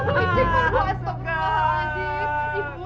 pikiran kamu warah